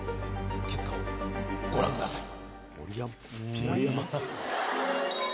結果をご覧ください。